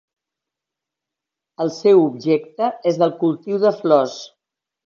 El seu objecte és el cultiu de flors.